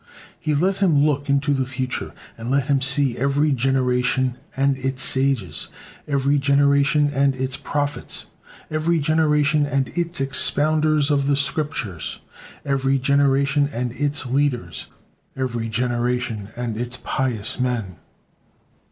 He let him look into the future, and let him see every generation and it sages, every generation and its prophets, every generation and its expounders of the Scriptures, every generation and its leaders, ever generation and its pious men.